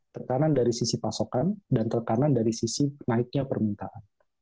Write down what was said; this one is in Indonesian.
tekanan dari sisi pasokan dan tekanan dari sisi naiknya permintaan